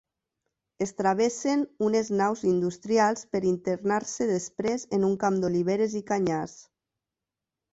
Es travessen unes naus industrials per internar-se després en un camp d'oliveres i canyars.